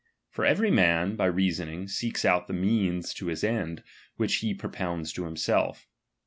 For every man, by reasoning, seeks out the " means to the end which he propounds to himself.